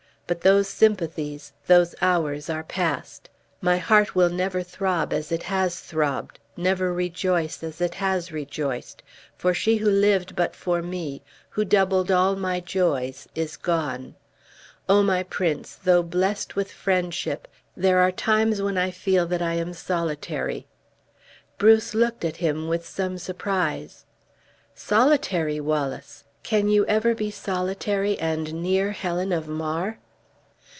But those sympathies, those hours are past. My heart will never throb as it has throbbed; never rejoice as it has rejoiced; for she who lived but for me, who doubled all my joys, is gone! Oh, my prince, though blessed with friendship, there are times when I feel that I am solitary!" Bruce looked at him with some surprise. "Solitary, Wallace! can you ever be solitary, and near Helen of Mar?"